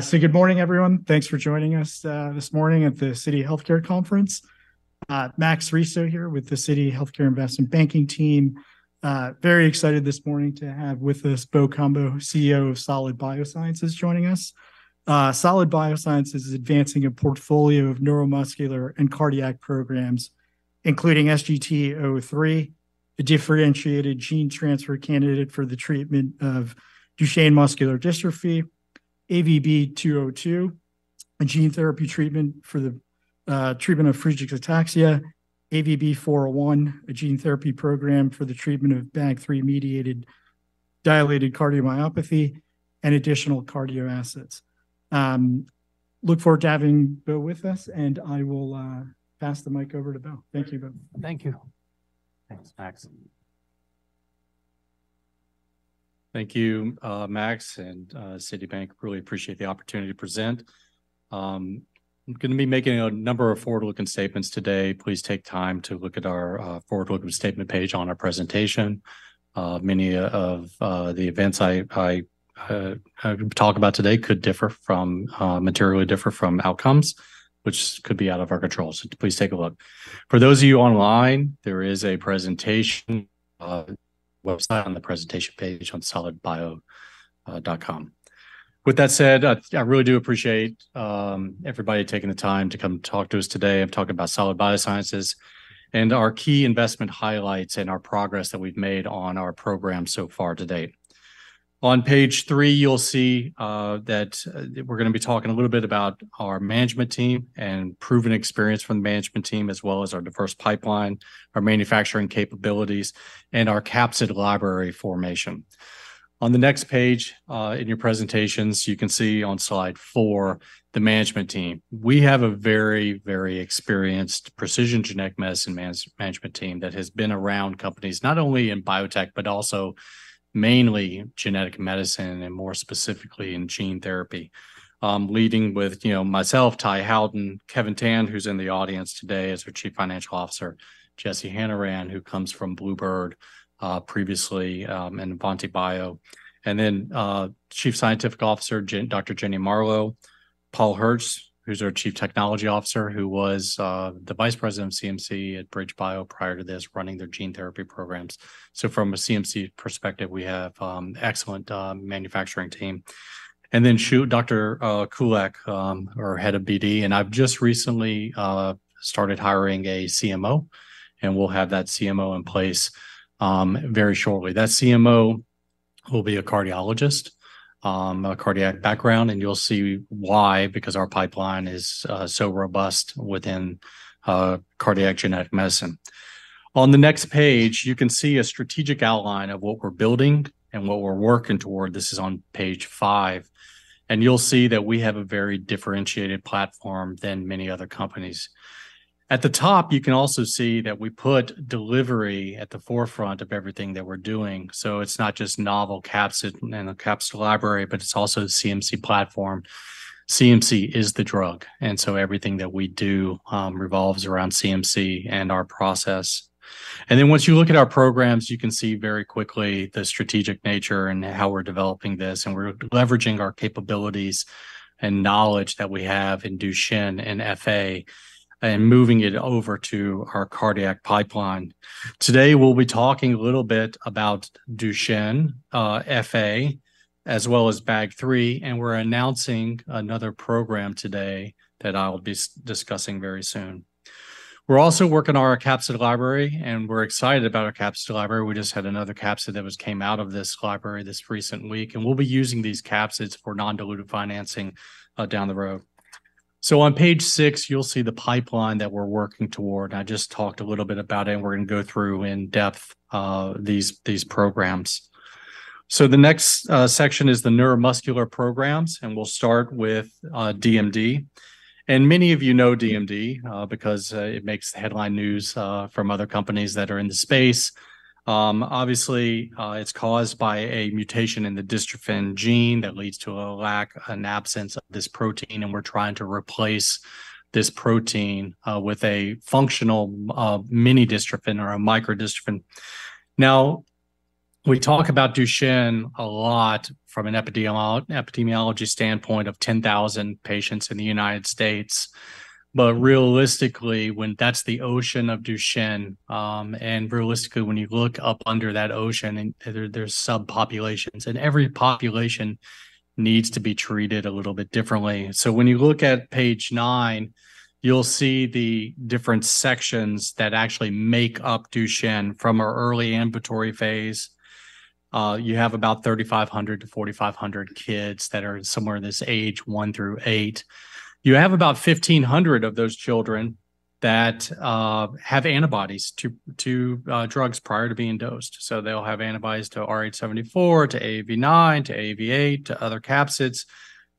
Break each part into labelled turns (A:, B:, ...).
A: So good morning, everyone. Thanks for joining us this morning at the Citi Healthcare Conference. Max Riso here with the Citi Healthcare Investment Banking team. Very excited this morning to have with us Bo Cumbo, CEO of Solid Biosciences, joining us. Solid Biosciences is advancing a portfolio of neuromuscular and cardiac programs, including SGT-003, a differentiated gene transfer candidate for the treatment of Duchenne muscular dystrophy, AVB-202, a gene therapy treatment for the treatment of Friedreich's ataxia, AVB-401, a gene therapy program for the treatment of BAG3-mediated dilated cardiomyopathy, and additional cardio assets. Look forward to having Bo Cumbo with us, and I will pass the mic over to Bo Cumbo. Thank you, Bo Cumbo.
B: Thank you. Thanks, Max. Thank you, Max and Citi. Really appreciate the opportunity to present. I'm gonna be making a number of forward-looking statements today. Please take time to look at our forward-looking statement page on our presentation. Many of the events I talk about today could materially differ from outcomes, which could be out of our control. So please take a look. For those of you online, there is a presentation website on the presentation page on solidbio dot com. With that said, I really do appreciate everybody taking the time to come talk to us today and talk about Solid Biosciences, and our key investment highlights, and our progress that we've made on our program so far to date. On page three, you'll see that we're gonna be talking a little bit about our management team and proven experience from the management team, as well as our diverse pipeline, our manufacturing capabilities, and our capsid library formation. On the next page, in your presentations, you can see on slide four, the management team. We have a very, very experienced precision genetic medicine management team that has been around companies, not only in biotech, but also mainly genetic medicine, and more specifically in gene therapy. Leading with, you know, myself, Ty Howton, Kevin Tan, who's in the audience today, is our Chief Financial Officer. Jessie Hanrahan, who comes from bluebird bio, previously, and AavantiBio, and then Chief Scientific Officer, Dr. Jennie Marlowe. Paul Herzich, who's our Chief Technology Officer, who was, the Vice President of CMC at BridgeBio prior to this, running their gene therapy programs. So from a CMC perspective, we have, excellent manufacturing team. And then Shuli, Dr. Kulak, our Head of BD, and I've just recently, started hiring a CMO, and we'll have that CMO in place, very shortly. That CMO will be a cardiologist, a cardiac background, and you'll see why, because our pipeline is, so robust within, cardiac genetic medicine. On the next page, you can see a strategic outline of what we're building and what we're working toward. This is on page five, and you'll see that we have a very differentiated platform than many other companies. At the top, you can also see that we put delivery at the forefront of everything that we're doing. So it's not just novel capsid and a capsid library, but it's also CMC platform. CMC is the drug, and so everything that we do revolves around CMC and our process. Then, once you look at our programs, you can see very quickly the strategic nature and how we're developing this, and we're leveraging our capabilities and knowledge that we have in Duchenne and FA, and moving it over to our cardiac pipeline. Today, we'll be talking a little bit about Duchenne, FA, as well as BAG3, and we're announcing another program today that I'll be discussing very soon. We're also working on our capsid library, and we're excited about our capsid library. We just had another capsid that was came out of this library this recent week, and we'll be using these capsids for non-dilutive financing down the road. So on page six, you'll see the pipeline that we're working toward. I just talked a little bit about it, and we're gonna go through in depth these programs. So the next section is the neuromuscular programs, and we'll start with DMD. And many of you know DMD because it makes headline news from other companies that are in the space. Obviously, it's caused by a mutation in the dystrophin gene that leads to a lack, an absence of this protein, and we're trying to replace this protein with a functional minidystrophin or a microdystrophin. Now, we talk about Duchenne a lot from an epidemiology standpoint of 10,000 patients in the United States. Realistically, when that's the ocean of Duchenne, and realistically, when you look up under that ocean, there are subpopulations, and every population needs to be treated a little bit differently. When you look at page nine, you'll see the different sections that actually make up Duchenne from our early ambulatory phase. You have about 3,500-4,500 kids that are somewhere in this age, one through eight. You have about 1,500 of those children that have antibodies to drugs prior to being dosed. They'll have antibodies to AAVrh74, to AAV9, to AAV8, to other capsids.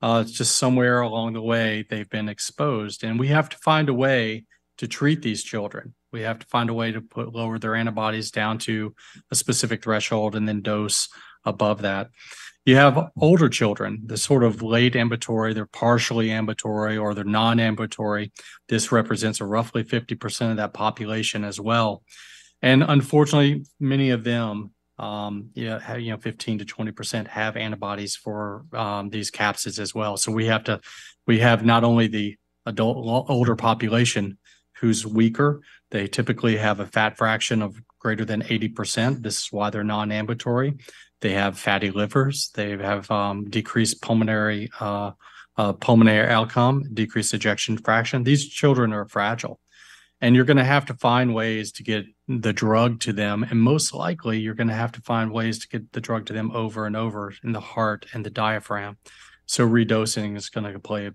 B: Just somewhere along the way, they've been exposed, and we have to find a way to treat these children. We have to find a way to lower their antibodies down to a specific threshold and then dose above that. You have older children, the sort of late ambulatory, they're partially ambulatory, or they're non-ambulatory. This represents roughly 50% of that population as well, and unfortunately, many of them, yeah, you know, 15%-20% have antibodies for, these capsids as well. So we have not only the adult older population who's weaker, they typically have a fat fraction of greater than 80%. This is why they're non-ambulatory. They have fatty livers. They have decreased pulmonary outcome, decreased ejection fraction. These children are fragile, and you're gonna have to find ways to get the drug to them, and most likely, you're gonna have to find ways to get the drug to them over and over in the heart and the diaphragm. So redosing is gonna play an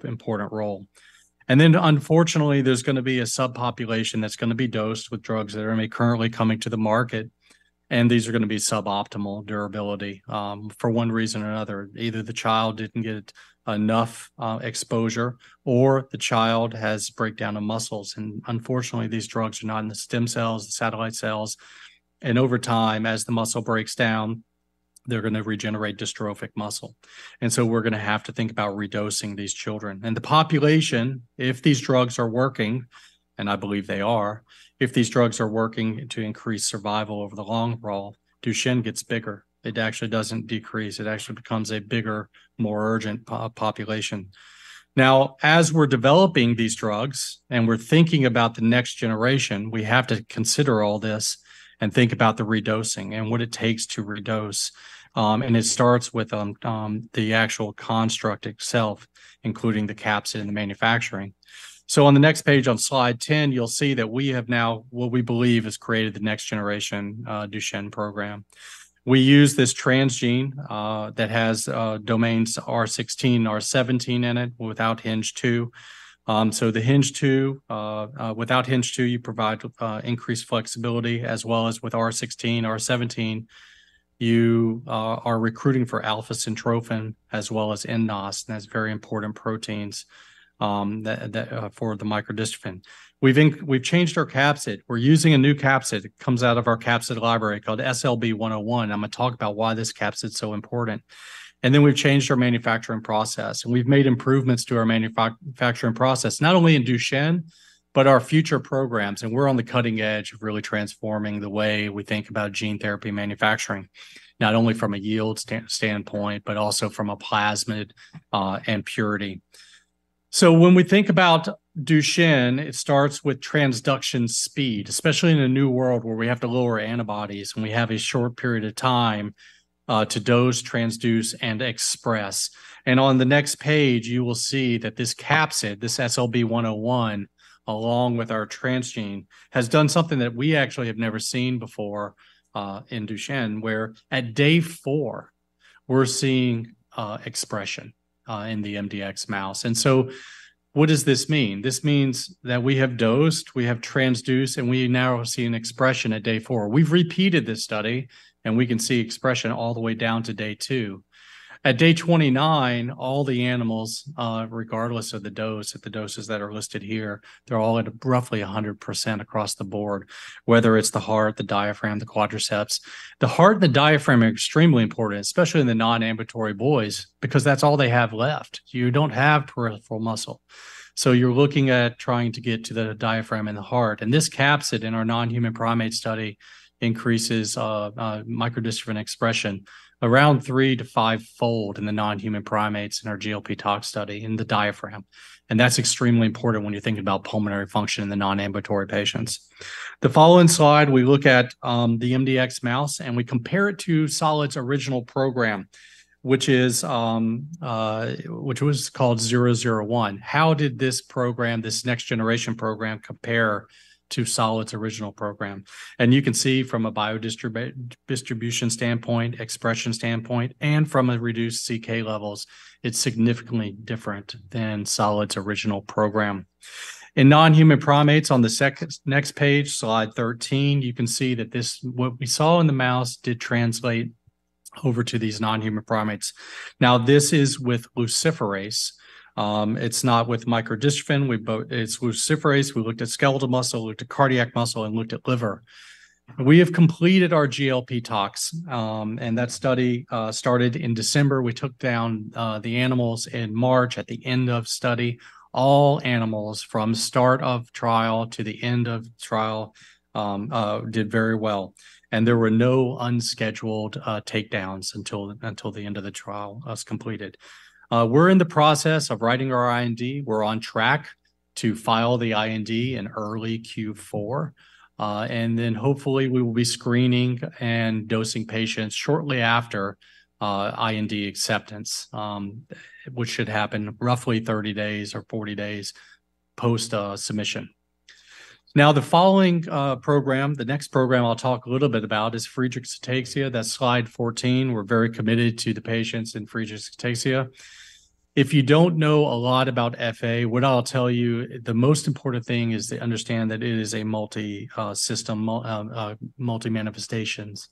B: important role. Unfortunately, there's gonna be a subpopulation that's gonna be dosed with drugs that are currently coming to the market, and these are gonna be suboptimal durability for one reason or another. Either the child didn't get enough exposure or the child has breakdown of muscles, and unfortunately, these drugs are not in the stem cells, the satellite cells, and over time, as the muscle breaks down, they're gonna regenerate dystrophic muscle. So we're gonna have to think about redosing these children. The population, if these drugs are working, and I believe they are, if these drugs are working to increase survival over the long haul, Duchenne gets bigger. It actually doesn't decrease. It actually becomes a bigger, more urgent population. Now, as we're developing these drugs, and we're thinking about the next generation, we have to consider all this and think about the redosing and what it takes to redose. It starts with the actual construct itself, including the capsid and the manufacturing. On the next page, on slide 10, you'll see that we have now, what we believe has created the next generation Duchenne program. We use this transgene that has domains R16, R17 in it without hinge 2. Without hinge 2, you provide increased flexibility, as well as with R16, R17, you are recruiting for alpha-syntrophin as well as nNOS, and that's very important proteins that, for the microdystrophin. We've changed our capsid. We're using a new capsid. It comes out of our capsid library called SLB101. I'm gonna talk about why this capsid is so important. Then we've changed our manufacturing process, and we've made improvements to our manufacturing process, not only in Duchenne, but our future programs, and we're on the cutting edge of really transforming the way we think about gene therapy manufacturing, not only from a yield standpoint, but also from a plasmid and purity. So when we think about Duchenne, it starts with transduction speed, especially in a new world where we have to lower antibodies, and we have a short period of time to dose, transduce, and express. And on the next page, you will see that this capsid, this SLB101, along with our transgene, has done something that we actually have never seen before in Duchenne, where at day 4, we're seeing expression in the MDX mouse. And so what does this mean? This means that we have dosed, we have transduced, and we now see an expression at day 4. We've repeated this study, and we can see expression all the way down to day 2. At day 29, all the animals, regardless of the dose, at the doses that are listed here, they're all at roughly 100% across the board, whether it's the heart, the diaphragm, the quadriceps. The heart and the diaphragm are extremely important, especially in the non-ambulatory boys, because that's all they have left. You don't have peripheral muscle. So you're looking at trying to get to the diaphragm and the heart. And this capsid in our non-human primate study increases microdystrophin expression around 3 to 5-fold in the non-human primates in our GLP tox study in the diaphragm. And that's extremely important when you're thinking about pulmonary function in the non-ambulatory patients. The following slide, we look at the MDX mouse, and we compare it to Solid's original program, which was called 001. How did this program, this next generation program, compare to Solid's original program? And you can see from a biodistribution standpoint, expression standpoint, and from a reduced CK levels, it's significantly different than Solid's original program. In non-human primates, on the second, next page, slide 13, you can see that this, what we saw in the mouse, did translate over to these non-human primates. Now, this is with luciferase. It's not with microdystrophin. It's luciferase. We looked at skeletal muscle, looked at cardiac muscle, and looked at liver. We have completed our GLP tox, and that study started in December. We took down the animals in March at the end of study. All animals from start of trial to the end of trial did very well, and there were no unscheduled takedowns until the end of the trial was completed. We're in the process of writing our IND. We're on track to file the IND in early Q4, and then hopefully, we will be screening and dosing patients shortly after IND acceptance, which should happen roughly 30 days or 40 days post submission. Now, the following program, the next program I'll talk a little bit about is Friedreich's ataxia. That's slide 14. We're very committed to the patients in Friedreich's ataxia. If you don't know a lot about FA, what I'll tell you, the most important thing is to understand that it is a multi-system manifestations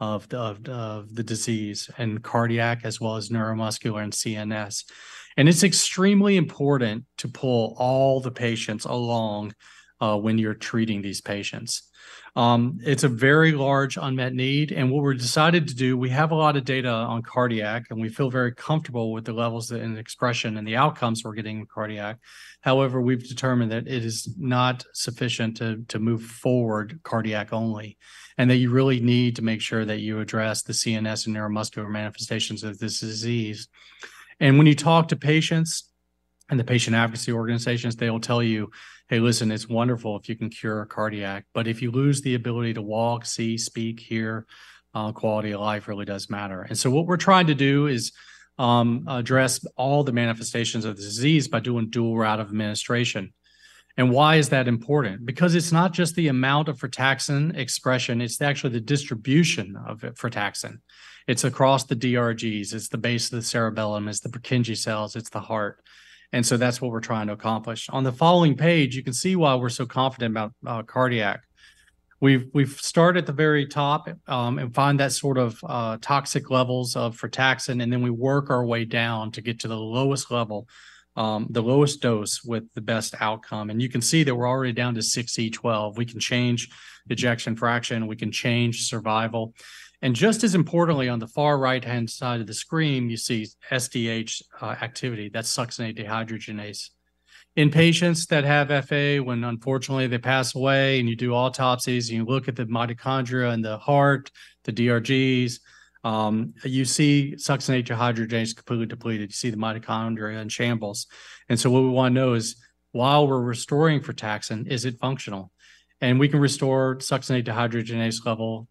B: of the disease, and cardiac as well as neuromuscular and CNS. It's extremely important to pull all the patients along when you're treating these patients. It's a very large unmet need, and what we've decided to do, we have a lot of data on cardiac, and we feel very comfortable with the levels and expression and the outcomes we're getting with cardiac. However, we've determined that it is not sufficient to move forward cardiac only, and that you really need to make sure that you address the CNS and neuromuscular manifestations of this disease. When you talk to patients and the patient advocacy organizations, they'll tell you, "Hey, listen, it's wonderful if you can cure cardiac, but if you lose the ability to walk, see, speak, hear, quality of life really does matter." So what we're trying to do is address all the manifestations of the disease by doing dual route of administration. Why is that important? Because it's not just the amount of frataxin expression, it's actually the distribution of frataxin. It's across the DRGs, it's the base of the cerebellum, it's the Purkinje cells, it's the heart. So that's what we're trying to accomplish. On the following page, you can see why we're so confident about cardiac. We've, we've started at the very top, and find that sort of toxic levels of frataxin, and then we work our way down to get to the lowest level, the lowest dose with the best outcome. And you can see that we're already down to 6E12. We can change ejection fraction, we can change survival. And just as importantly, on the far right-hand side of the screen, you see SDH activity. That's succinate dehydrogenase. In patients that have FA, when unfortunately they pass away and you do autopsies, and you look at the mitochondria in the heart, the DRGs, you see succinate dehydrogenase completely depleted. You see the mitochondria in shambles. And so what we want to know is, while we're restoring frataxin, is it functional? And we can restore succinate dehydrogenase level,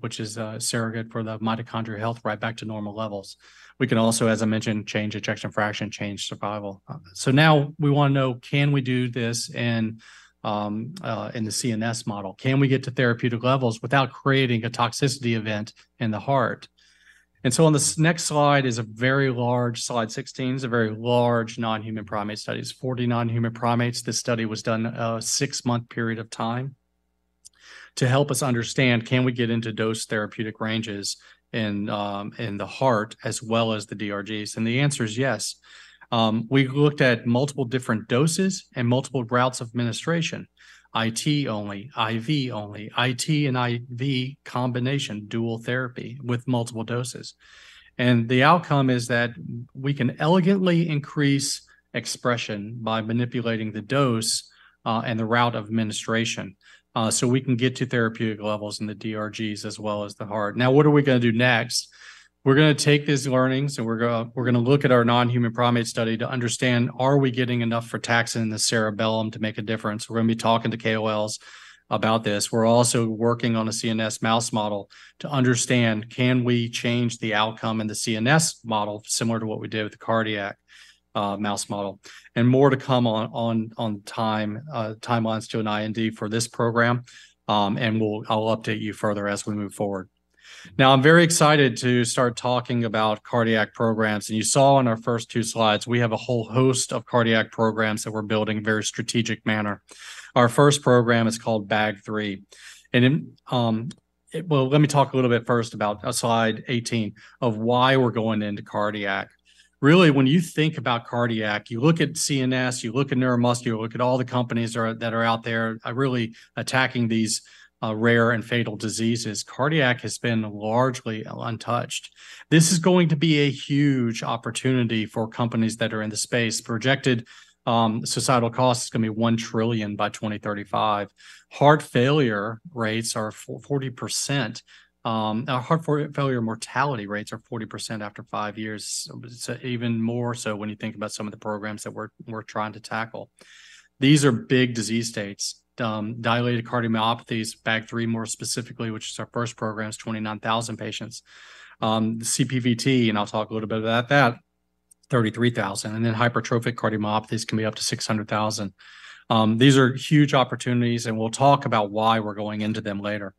B: which is a surrogate for the mitochondrial health, right back to normal levels. We can also, as I mentioned, change ejection fraction, change survival. Now we want to know, can we do this in the CNS model? Can we get to therapeutic levels without creating a toxicity event in the heart? And so on this next slide, Slide 16 is a very large non-human primate studies, 40 non-human primates. This study was done a 6-month period of time to help us understand, can we get into dose therapeutic ranges in the heart as well as the DRGs? And the answer is yes. We looked at multiple different doses and multiple routes of administration: IT only, IV only, IT and IV combination, dual therapy with multiple doses. The outcome is that we can elegantly increase expression by manipulating the dose, and the route of administration, so we can get to therapeutic levels in the DRGs as well as the heart. Now, what are we going to do next? We're gonna take these learnings, and we're gonna look at our non-human primate study to understand, are we getting enough frataxin in the cerebellum to make a difference? We're gonna be talking to KOLs about this. We're also working on a CNS mouse model to understand, can we change the outcome in the CNS model, similar to what we did with the cardiac mouse model? More to come on timelines to an IND for this program, and I'll update you further as we move forward. Now, I'm very excited to start talking about cardiac programs. And you saw in our first two slides, we have a whole host of cardiac programs that we're building in a very strategic manner. Our first program is called BAG3. And then, well, let me talk a little bit first about slide 18, of why we're going into cardiac. Really, when you think about cardiac, you look at CNS, you look at neuromuscular, you look at all the companies that are, that are out there are really attacking these, rare and fatal diseases. Cardiac has been largely untouched. This is going to be a huge opportunity for companies that are in the space. Projected, societal cost is going to be $1 trillion by 2035. Heart failure rates are 40%, heart failure mortality rates are 40% after five years, so even more so when you think about some of the programs that we're trying to tackle. These are big disease states. Dilated cardiomyopathies, BAG3, more specifically, which is our first program, is 29,000 patients. CPVT, and I'll talk a little bit about that, 33,000. And then hypertrophic cardiomyopathies can be up to 600,000. These are huge opportunities, and we'll talk about why we're going into them later.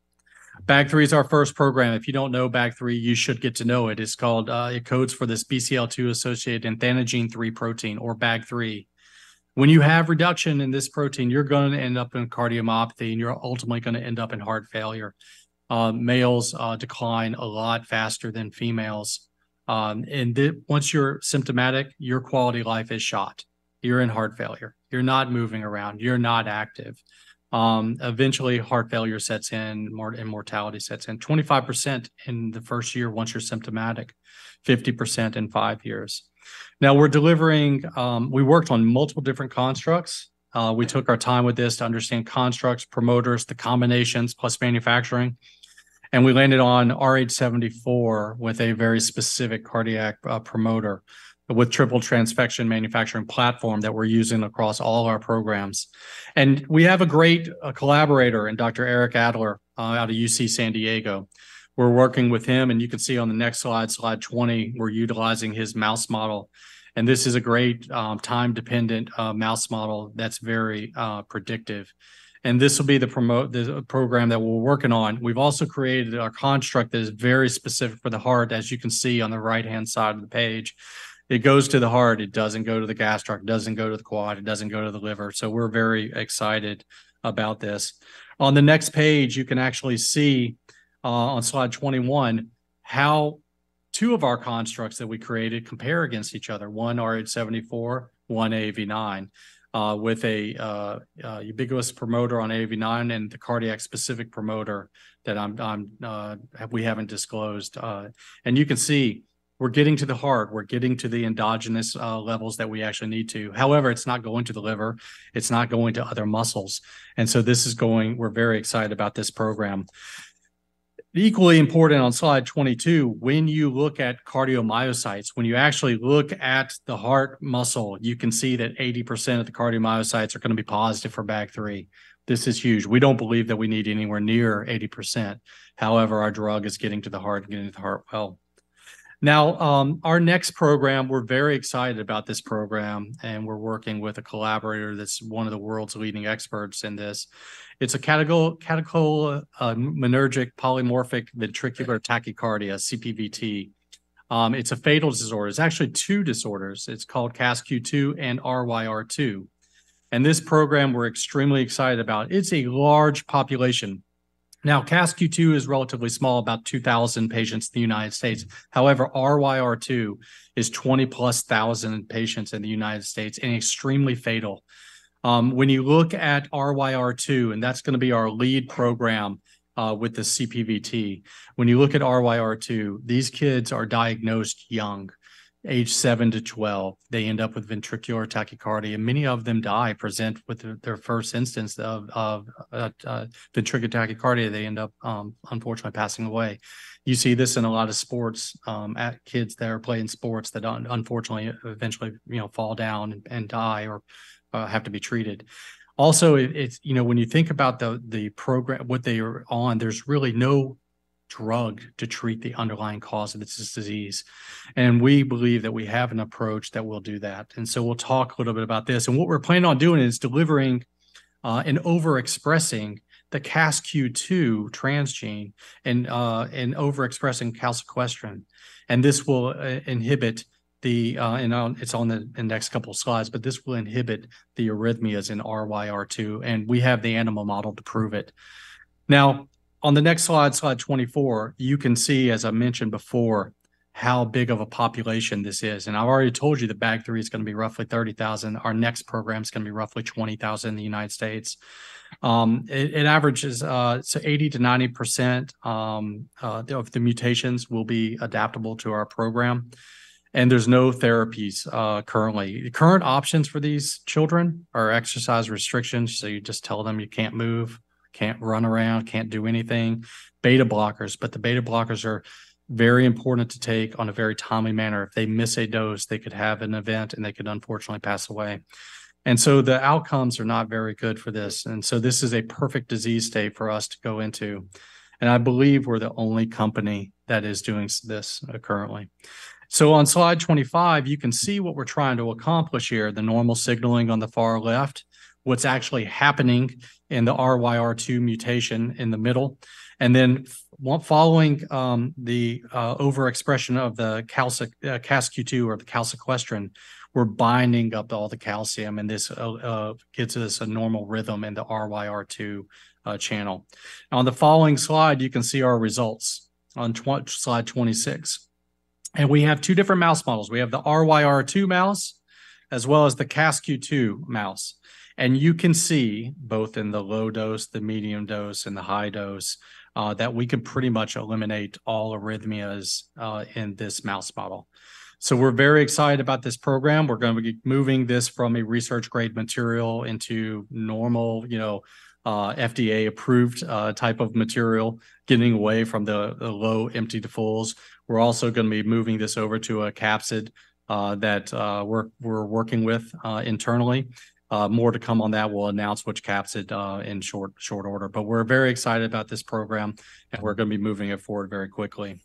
B: BAG3 is our first program. If you don't know BAG3, you should get to know it. It's called, it codes for this BCL2-associated athanogene 3 protein or BAG3. When you have reduction in this protein, you're going to end up in cardiomyopathy, and you're ultimately going to end up in heart failure. Males decline a lot faster than females, and once you're symptomatic, your quality of life is shot. You're in heart failure. You're not moving around. You're not active. Eventually, heart failure sets in, and mortality sets in. 25% in the first year, once you're symptomatic, 50% in five years. Now we're delivering. We worked on multiple different constructs. We took our time with this to understand constructs, promoters, the combinations, plus manufacturing, and we landed on rh74 with a very specific cardiac promoter, with triple transfection manufacturing platform that we're using across all of our programs. And we have a great collaborator in Dr. Eric Adler out of UC San Diego. We're working with him, and you can see on the next slide, slide 20, we're utilizing his mouse model. And this is a great time-dependent mouse model that's very predictive. And this will be the program that we're working on. We've also created a construct that is very specific for the heart, as you can see on the right-hand side of the page. It goes to the heart, it doesn't go to the gastric, it doesn't go to the quad, it doesn't go to the liver. So we're very excited about this. On the next page, you can actually see on slide 21, two of our constructs that we created compare against each other, one rh74, one AAV9, with a ubiquitous promoter on AAV9 and the cardiac-specific promoter that we haven't disclosed. and you can see we're getting to the heart, we're getting to the endogenous levels that we actually need to. However, it's not going to the liver, it's not going to other muscles, and so this is going. We're very excited about this program. Equally important, on Slide 22, when you look at cardiomyocytes, when you actually look at the heart muscle, you can see that 80% of the cardiomyocytes are gonna be positive for BAG3. This is huge. We don't believe that we need anywhere near 80%; however, our drug is getting to the heart, getting to the heart well. Now, our next program, we're very excited about this program, and we're working with a collaborator that's one of the world's leading experts in this. It's a catecholaminergic polymorphic ventricular tachycardia, CPVT. It's a fatal disorder. It's actually two disorders. It's called CASQ2 and RYR2, and this program we're extremely excited about. It's a large population. Now, CASQ2 is relatively small, about 2,000 patients in the United States. However, RYR2 is 20,000+ patients in the United States and extremely fatal. When you look at RYR2, and that's gonna be our lead program with the CPVT. When you look at RYR2, these kids are diagnosed young, aged 7-12. They end up with ventricular tachycardia, and many of them die, present with their first instance of ventricular tachycardia, they end up unfortunately passing away. You see this in a lot of sports at kids that are playing sports that unfortunately, eventually, you know, fall down and die or have to be treated. Also, it's, you know, when you think about the program, what they are on, there's really no drug to treat the underlying cause of this disease. And we believe that we have an approach that will do that, and so we'll talk a little bit about this. And what we're planning on doing is delivering and overexpressing the CASQ2 transgene and overexpressing calsequestrin. And this will inhibit the arrhythmias in RYR2, and we have the animal model to prove it. Now, on the next slide, slide 24, you can see, as I mentioned before, how big of a population this is, and I've already told you that BAG3 is gonna be roughly 30,000. Our next program is gonna be roughly 20,000 in the United States. It averages, so 80%-90% of the mutations will be adaptable to our program, and there's no therapies currently. The current options for these children are exercise restrictions, so you just tell them, "You can't move, can't run around, can't do anything." Beta blockers, but the beta blockers are very important to take on a very timely manner. If they miss a dose, they could have an event, and they could unfortunately pass away. And so the outcomes are not very good for this, and so this is a perfect disease state for us to go into, and I believe we're the only company that is doing this currently. So on slide 25, you can see what we're trying to accomplish here, the normal signaling on the far left, what's actually happening in the RYR2 mutation in the middle, and then following, the overexpression of the CASQ2 or the calsequestrin, we're binding up all the calcium, and this gets us a normal rhythm in the RYR2 channel. On the following slide, you can see our results on slide 26. And we have two different mouse models. We have the RYR2 mouse as well as the CASQ2 mouse. And you can see both in the low dose, the medium dose, and the high dose, that we can pretty much eliminate all arrhythmias in this mouse model. So we're very excited about this program. We're gonna be moving this from a research-grade material into normal, you know, FDA-approved type of material, getting away from the low empty to fulls. We're also gonna be moving this over to a capsid that we're working with internally. More to come on that. We'll announce which capsid in short order. But we're very excited about this program, and we're gonna be moving it forward very quickly.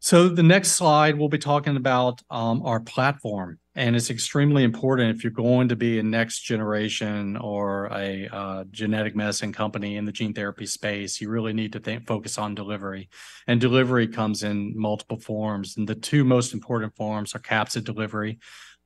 B: So the next slide, we'll be talking about our platform, and it's extremely important if you're going to be a next-generation or a genetic medicine company in the gene therapy space, you really need to focus on delivery. And delivery comes in multiple forms, and the two most important forms are capsid delivery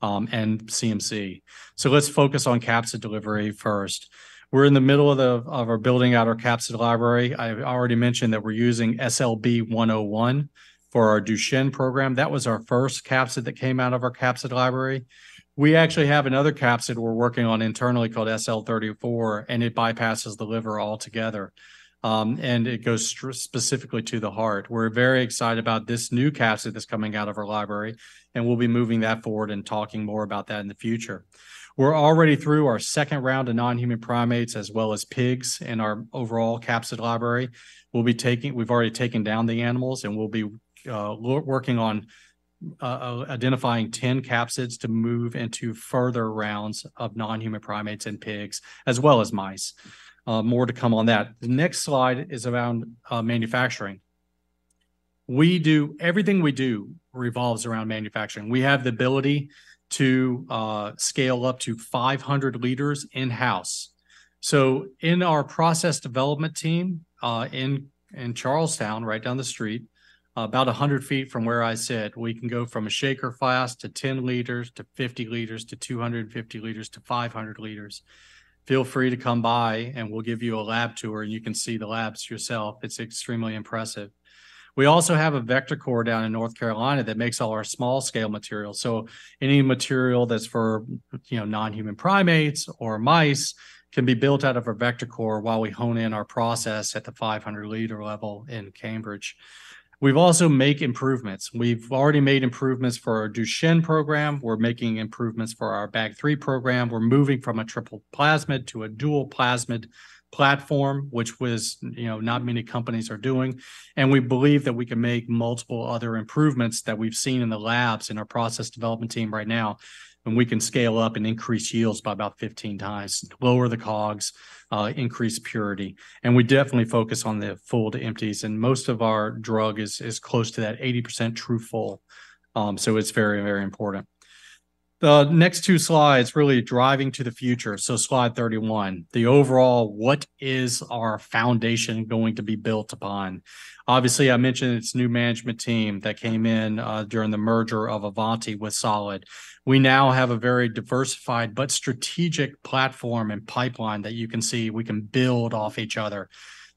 B: and CMC. So let's focus on capsid delivery first. We're in the middle of our building out our capsid library. I've already mentioned that we're using SLB101 for our Duchenne program. That was our first capsid that came out of our capsid library. We actually have another capsid we're working on internally called SL34, and it bypasses the liver altogether, and it goes specifically to the heart. We're very excited about this new capsid that's coming out of our library, and we'll be moving that forward and talking more about that in the future. We're already through our second round of non-human primates, as well as pigs, in our overall capsid library. We've already taken down the animals, and we'll be working on identifying 10 capsids to move into further rounds of non-human primates and pigs, as well as mice. More to come on that. The next slide is around manufacturing. Everything we do revolves around manufacturing. We have the ability to scale up to 500 liters in-house. So in our process development team, in Charlestown, right down the street, about 100 feet from where I sit, we can go from a shaker flask to 10 liters, to 50 liters, to 250 liters, to 500 liters. Feel free to come by, and we'll give you a lab tour, and you can see the labs yourself. It's extremely impressive. We also have a vector core down in North Carolina that makes all our small-scale materials. So any material that's for, you know, non-human primates or mice can be built out of our vector core while we hone in our process at the 500-liter level in Cambridge. We've also make improvements. We've already made improvements for our Duchenne program. We're making improvements for our BAG3 program. We're moving from a triple plasmid to a dual plasmid platform, which was, you know, not many companies are doing. We believe that we can make multiple other improvements that we've seen in the labs in our process development team right now, and we can scale up and increase yields by about 15 times, lower the COGS, increase purity. We definitely focus on the full to empties, and most of our drug is close to that 80% true full, so it's very, very important. The next two slides, really driving to the future. So slide 31, the overall, what is our foundation going to be built upon? Obviously, I mentioned this new management team that came in during the merger of AavantiBio with Solid. We now have a very diversified but strategic platform and pipeline that you can see we can build off each other.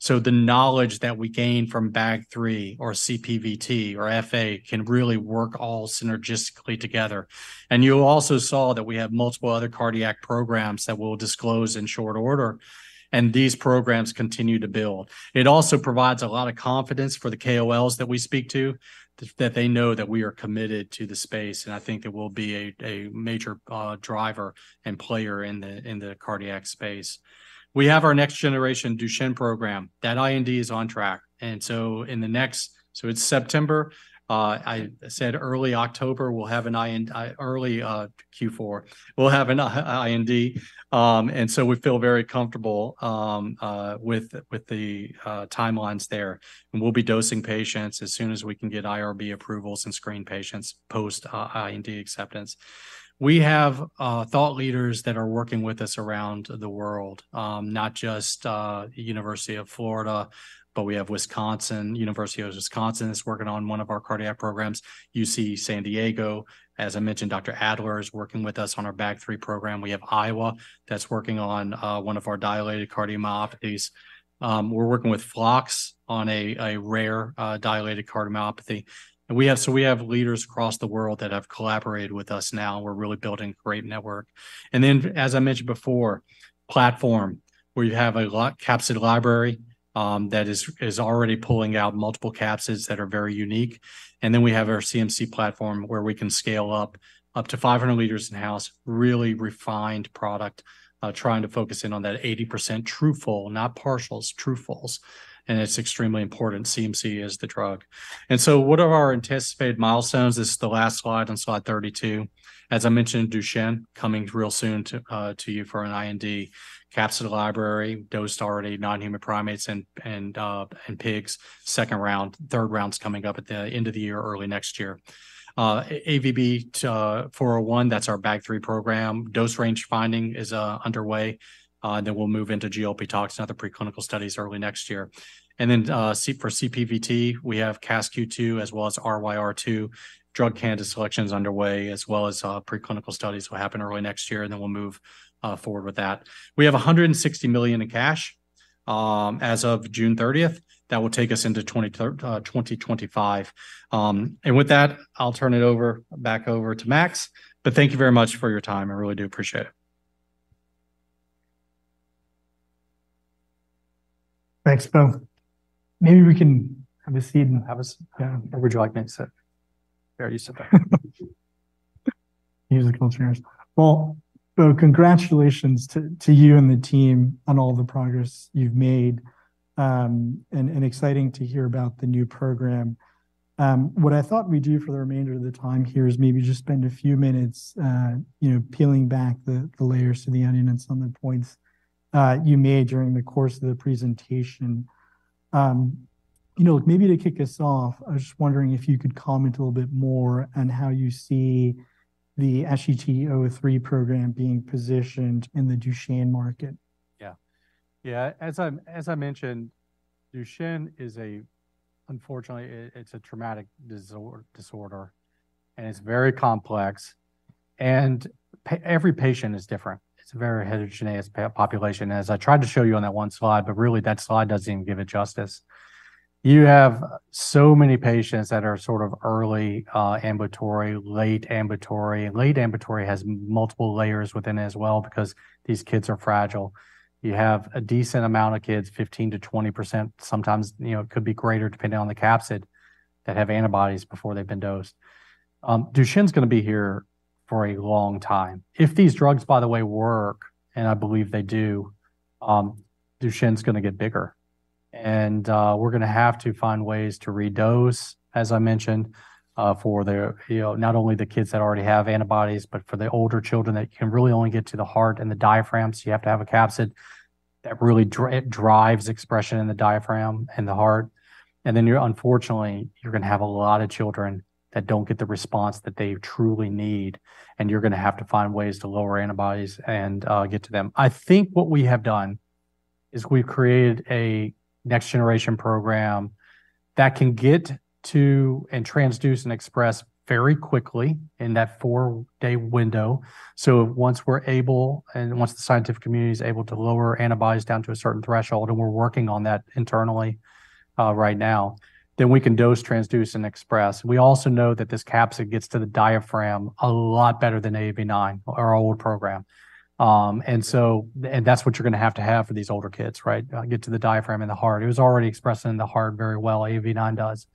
B: So the knowledge that we gain from BAG3 or CPVT or FA can really work all synergistically together. And you also saw that we have multiple other cardiac programs that we'll disclose in short order, and these programs continue to build. It also provides a lot of confidence for the KOLs that we speak to, that they know that we are committed to the space, and I think it will be a major driver and player in the cardiac space. We have our next generation Duchenne program. That IND is on track, and so So it's September, I said early October, we'll have an IND early Q4, we'll have an IND. And so we feel very comfortable with the timelines there. And we'll be dosing patients as soon as we can get IRB approvals and screen patients post IND acceptance. We have thought leaders that are working with us around the world. Not just University of Florida, but we have Wisconsin, University of Wisconsin that's working on one of our cardiac programs, UC San Diego. As I mentioned, Dr. Adler is working with us on our BAG3 program. We have Iowa, that's working on one of our dilated cardiomyopathies. We're working with Phlox on a rare dilated cardiomyopathy. And we have so we have leaders across the world that have collaborated with us now, we're really building a great network. As I mentioned before, platform, where you have a lot, capsid library, that is already pulling out multiple capsids that are very unique. We have our CMC platform, where we can scale up, up to 500 liters in-house, really refined product, trying to focus in on that 80% true full, not partials, true fulls, and it's extremely important, CMC is the drug. What are our anticipated milestones? This is the last slide on slide 32. As I mentioned, Duchenne, coming real soon to you for an IND. Capsid library, dosed already, non-human primates and pigs. Second round, third round's coming up at the end of the year, early next year. AVB-401, that's our BAG3 program. Dose range finding is underway, then we'll move into GLP tox and other preclinical studies early next year. And then for CPVT, we have CASQ2, as well as RYR2. Drug candidate selection is underway, as well as preclinical studies will happen early next year, and then we'll move forward with that. We have $160 million in cash, as of June thirtieth. That will take us into 2025. And with that, I'll turn it over, back over to Max. But thank you very much for your time. I really do appreciate it.
A: Thanks, Bo. Maybe we can have a seat. Where would you like me to sit? There, you sit there. Musical chairs. Well, congratulations to you and the team on all the progress you've made, and exciting to hear about the new program. What I thought we'd do for the remainder of the time here is maybe just spend a few minutes, you know, peeling back the layers to the onion on some of the points you made during the course of the presentation. You know, maybe to kick us off, I was just wondering if you could comment a little bit more on how you see the SGT-003 program being positioned in the Duchenne market?
B: Yeah. Yeah, as I mentioned, Duchenne is a... Unfortunately, it's a traumatic disorder, and it's very complex, and every patient is different. It's a very heterogeneous population, as I tried to show you on that one slide, but really, that slide doesn't even give it justice. You have so many patients that are sort of early ambulatory, late ambulatory. Late ambulatory has multiple layers within it as well, because these kids are fragile. You have a decent amount of kids, 15%-20%, sometimes, you know, it could be greater, depending on the capsid, that have antibodies before they've been dosed. Duchenne's gonna be here for a long time. If these drugs, by the way, work, and I believe they do, Duchenne's gonna get bigger. We're gonna have to find ways to redose, as I mentioned, for the, you know, not only the kids that already have antibodies, but for the older children that can really only get to the heart and the diaphragms. You have to have a capsid that really drives expression in the diaphragm and the heart. Then, unfortunately, you're gonna have a lot of children that don't get the response that they truly need, and you're gonna have to find ways to lower antibodies and get to them. I think what we have done is we've created a next-generation program that can get to, and transduce, and express very quickly in that four-day window. So once we're able, and once the scientific community is able to lower antibodies down to a certain threshold, and we're working on that internally, right now, then we can dose, transduce, and express. We also know that this capsid gets to the diaphragm a lot better than AAV9, our old program. And so that's what you're gonna have to have for these older kids, right? Get to the diaphragm and the heart. It was already expressed in the heart very well, AAV9 does,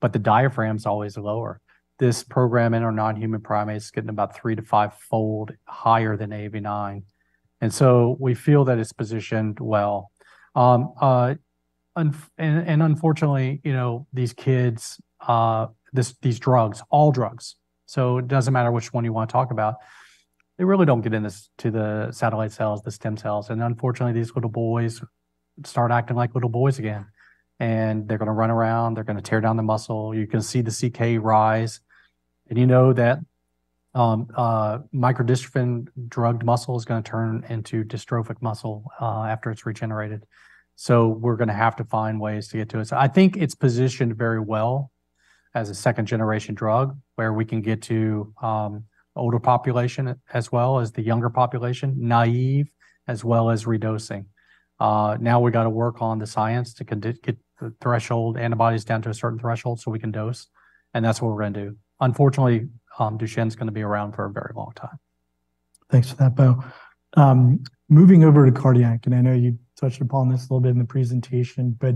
B: but the diaphragm is always lower. This program in our non-human primates is getting about 3- to 5-fold higher than AAV9, and so we feel that it's positioned well. Unfortunately, you know, these kids, these drugs, all drugs, so it doesn't matter which one you wanna talk about, they really don't get into the satellite cells, the stem cells, and unfortunately, these little boys start acting like little boys again, and they're gonna run around, they're gonna tear down the muscle. You can see the CK rise, and you know that microdystrophin drugged muscle is gonna turn into dystrophic muscle after it's regenerated. So we're gonna have to find ways to get to it. So I think it's positioned very well as a second-generation drug, where we can get to older population as well as the younger population, naive as well as redosing. Now, we gotta work on the science to get the threshold antibodies down to a certain threshold so we can dose, and that's what we're gonna do. Unfortunately, Duchenne's gonna be around for a very long time.
A: Thanks for that, Bo. Moving over to cardiac, and I know you touched upon this a little bit in the presentation, but,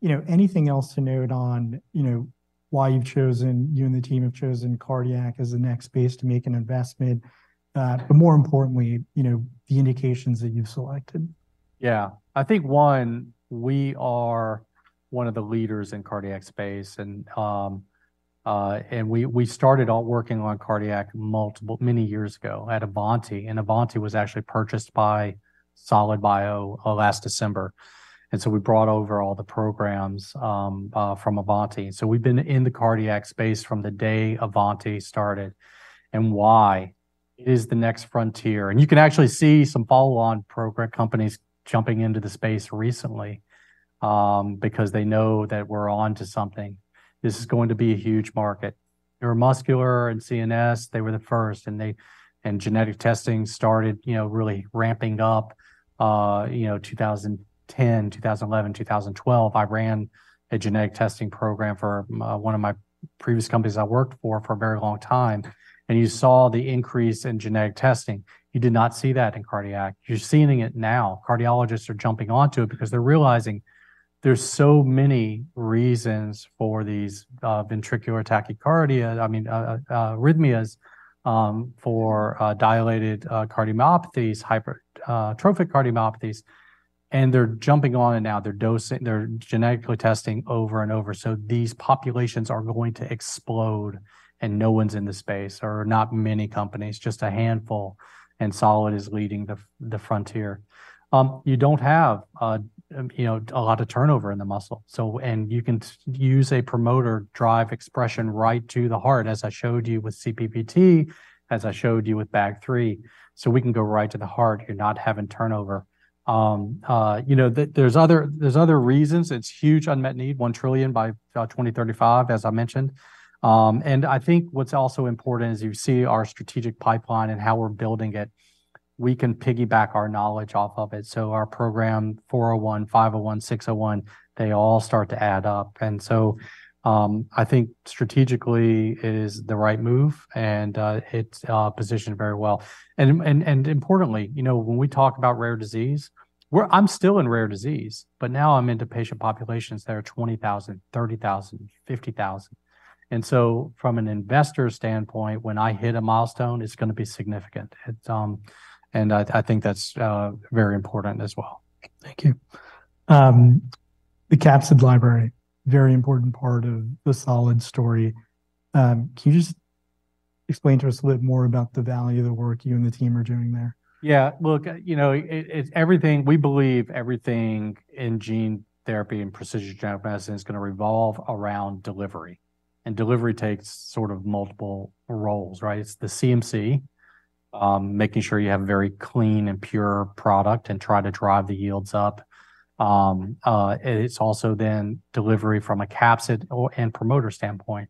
A: you know, anything else to note on, you know, why you've chosen, you and the team have chosen cardiac as the next space to make an investment, but more importantly, you know, the indications that you've selected?
B: Yeah. I think, one, we are one of the leaders in cardiac space, and we started out working on cardiac many years ago at AavantiBio, and AavantiBio was actually purchased by Solid Biosciences last December. And so we brought over all the programs from AavantiBio. So we've been in the cardiac space from the day AavantiBio started. And why? It is the next frontier. And you can actually see some follow-on program companies jumping into the space recently because they know that we're onto something. This is going to be a huge market. Neuromuscular and CNS, they were the first, and genetic testing started, you know, really ramping up, you know, 2010, 2011, 2012. I ran a genetic testing program for, one of my previous companies I worked for, for a very long time, and you saw the increase in genetic testing. You did not see that in cardiac. You're seeing it now. Cardiologists are jumping onto it because they're realizing there's so many reasons for these, ventricular tachycardia—I mean, arrhythmias, for dilated cardiomyopathies, hypertrophic cardiomyopathies, and they're jumping on it now. They're dosing, they're genetically testing over and over. So these populations are going to explode, and no one's in the space, or not many companies, just a handful, and Solid is leading the frontier. You don't have a, you know, a lot of turnover in the muscle. So... And you can use a promoter-driven expression right to the heart, as I showed you with CPVT, as I showed you with BAG3. So we can go right to the heart. You're not having turnover. You know, there, there's other, there's other reasons. It's huge unmet need, $1 trillion by 2035, as I mentioned. And I think what's also important is you see our strategic pipeline and how we're building it. We can piggyback our knowledge off of it, so our program 401, 501, 601, they all start to add up. And so, I think strategically it is the right move, and, it's positioned very well. Importantly, you know, when we talk about rare disease, we're – I'm still in rare disease, but now I'm into patient populations that are 20,000, 30,000, 50,000. And so from an investor standpoint, when I hit a milestone, it's gonna be significant. It's. And I, I think that's very important as well.
A: Thank you. The capsid library, very important part of the Solid story. Can you just explain to us a little more about the value of the work you and the team are doing there?
B: Yeah, look, you know, it, it's everything. We believe everything in gene therapy and precision genetic medicine is gonna revolve around delivery, and delivery takes sort of multiple roles, right? It's the CMC, making sure you have a very clean and pure product and try to drive the yields up. It's also then delivery from a capsid and promoter standpoint,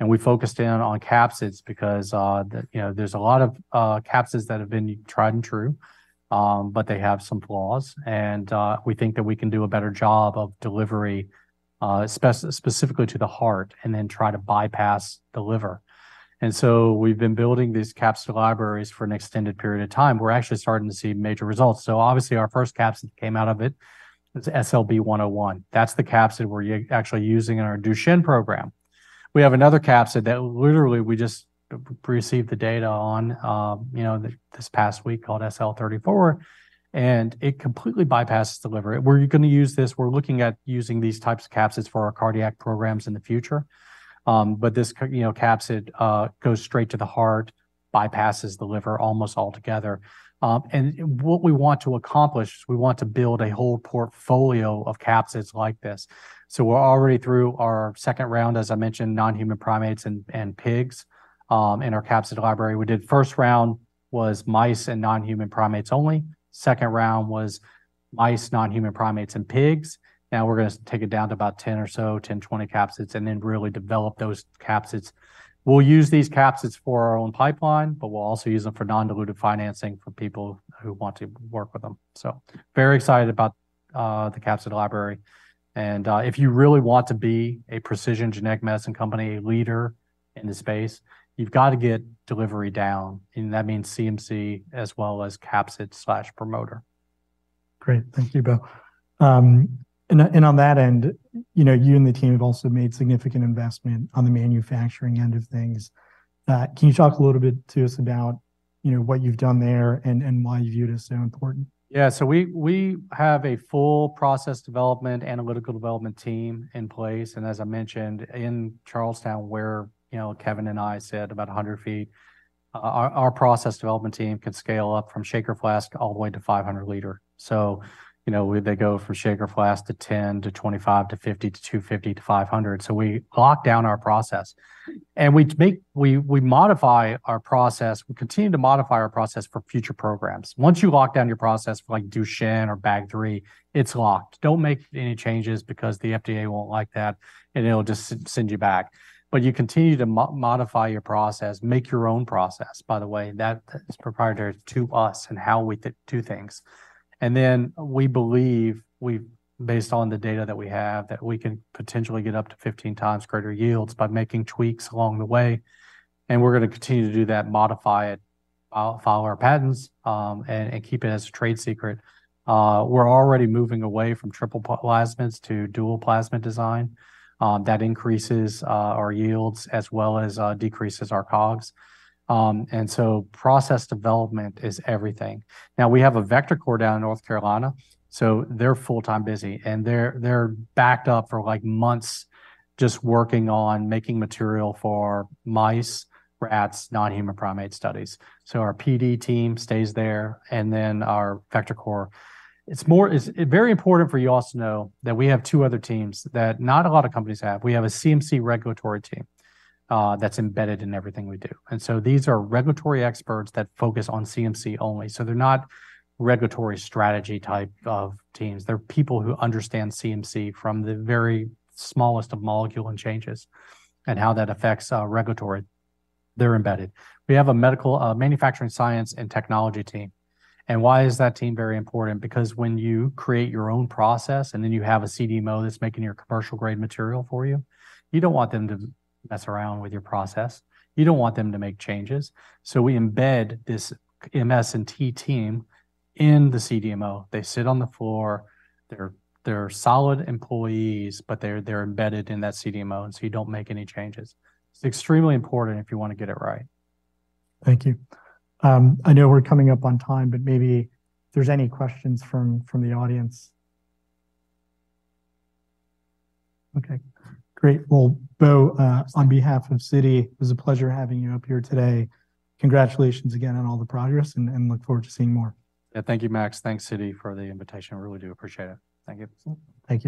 B: and we focused in on capsids because, you know, there's a lot of capsids that have been tried and true, but they have some flaws. We think that we can do a better job of delivery, specifically to the heart, and then try to bypass the liver. So we've been building these capsid libraries for an extended period of time. We're actually starting to see major results. So obviously, our first capsid came out of it. It's SLB-101. That's the capsid we're actually using in our Duchenne program. We have another capsid that literally we just received the data on this past week, called SL34, and it completely bypasses the liver. We're gonna use this-- we're looking at using these types of capsids for our cardiac programs in the future. This capsid goes straight to the heart, bypasses the liver almost altogether. What we want to accomplish is we want to build a whole portfolio of capsids like this. We're already through our second round, as I mentioned, non-human primates and pigs in our capsid library. We did first round was mice and non-human primates only. Second round was mice, non-human primates, and pigs. Now we're going to take it down to about 10 or so, 10, 20 capsids, and then really develop those capsids. We'll use these capsids for our own pipeline, but we'll also use them for non-dilutive financing for people who want to work with them. So very excited about the capsid library, and if you really want to be a precision genetic medicine company leader in the space, you've got to get delivery down, and that means CMC as well as capsid/promoter.
A: Great. Thank you, Bo. And on that end, you know, you and the team have also made significant investment on the manufacturing end of things. Can you talk a little bit to us about, you know, what you've done there and why you view it as so important?
B: Yeah. So we have a full process development, analytical development team in place, and as I mentioned, in Charlestown, where, you know, Kevin and I sit about 100 feet. Our process development team can scale up from shaker flask all the way to 500-liter. So, you know, they go from shaker flask to 10, to 25, to 50, to 250, to 500. So we lock down our process, and we make, we modify our process, we continue to modify our process for future programs. Once you lock down your process for, like, Duchenne or BAG3, it's locked. Don't make any changes because the FDA won't like that, and it'll just send you back. But you continue to modify your process, make your own process, by the way, that is proprietary to us and how we do things. And then we believe, based on the data that we have, that we can potentially get up to 15 times greater yields by making tweaks along the way, and we're going to continue to do that, modify it, file our patents, and, and keep it as a trade secret. We're already moving away from triple plasmids to dual plasmid design, that increases our yields as well as decreases our COGS. And so process development is everything. Now, we have a vector core down in North Carolina, so they're full-time busy, and they're, they're backed up for, like, months just working on making material for mice, rats, non-human primate studies. So our PD team stays there, and then our vector core. It's very important for you all to know that we have two other teams that not a lot of companies have. We have a CMC regulatory team that's embedded in everything we do. And so these are regulatory experts that focus on CMC only. So they're not regulatory strategy type of teams. They're people who understand CMC from the very smallest of molecule and changes, and how that affects regulatory. They're embedded. We have a medical manufacturing science and technology team. And why is that team very important? Because when you create your own process, and then you have a CDMO that's making your commercial-grade material for you, you don't want them to mess around with your process. You don't want them to make changes. So we embed this MS and T team in the CDMO. They sit on the floor. They're solid employees, but they're embedded in that CDMO, and so you don't make any changes. It's extremely important if you want to get it right.
A: Thank you. I know we're coming up on time, but maybe if there's any questions from the audience? Okay, great. Well, Bo, on behalf of Citi, it was a pleasure having you up here today. Congratulations again on all the progress, and look forward to seeing more.
B: Yeah. Thank you, Max. Thanks, Citi, for the invitation. I really do appreciate it. Thank you.
A: Thank you.